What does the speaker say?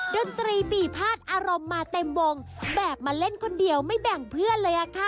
ดนตรีบีพาดอารมณ์มาเต็มวงแบบมาเล่นคนเดียวไม่แบ่งเพื่อนเลยอะค่ะ